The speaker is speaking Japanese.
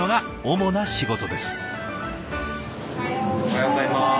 おはようございます。